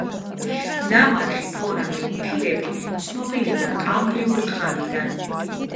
ნამარხი ფორამინიფერები ცნობილია კამბრიული ხანიდან.